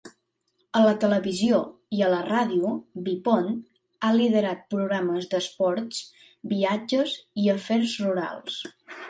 A la televisió i a la ràdio, Vipond ha liderat programes d'esports, viatges i afers rurals.